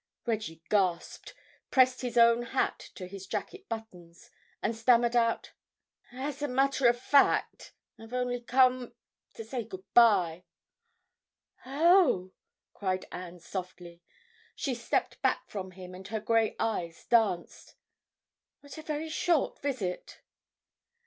Reggie gasped, pressed his own hat to his jacket buttons, and stammered out, "As a matter of fact, I've only come... to say good bye." "Oh!" cried Anne softly—she stepped back from him and her grey eyes danced—"what a very short visit!"